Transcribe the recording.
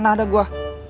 kagak mana deh gue